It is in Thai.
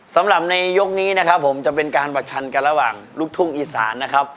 สำหรับในยกนี้นะครับผมจะเป็นการประชันกันระหว่างลูกทุ่งอีสานนะครับ